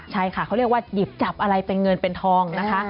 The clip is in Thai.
ใช่ค่ะเขาเรียกว่าหยิบจับอะไรเป็นเงินเป็นทองนะคะ